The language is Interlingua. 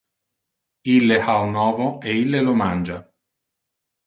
Ille ha un ovo e ille lo mangia.